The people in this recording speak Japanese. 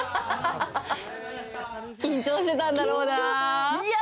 緊張してたんだろうなぁ。